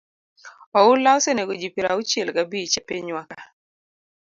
Oula osenego ji piero auchiel gabich e pinywa ka.